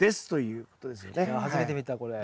初めて見たこれ。